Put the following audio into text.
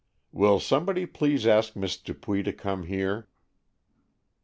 "Will somebody please ask Miss Dupuy to come here?"